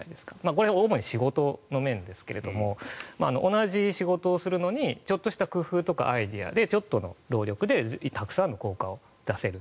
これは主に仕事の面ですが同じ仕事をするのにちょっとした工夫とかアイデアでたくさんの効果を出せる。